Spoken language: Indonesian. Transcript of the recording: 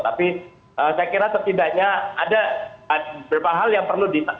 tapi saya kira setidaknya ada beberapa hal yang perlu di